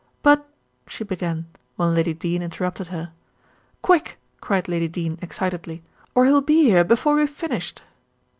"But " she began, when Lady Dene interrupted her. "Quick!" cried Lady Dene excitedly, "or he'll be here before we've finished."